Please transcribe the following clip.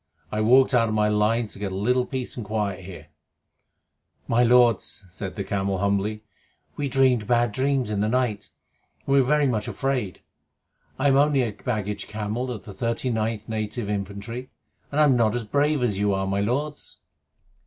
I walked out of my lines to get a little peace and quiet here." "My lords," said the camel humbly, "we dreamed bad dreams in the night, and we were very much afraid. I am only a baggage camel of the 39th Native Infantry, and I am not as brave as you are, my lords."